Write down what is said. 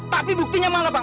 tapi buktinya mana pak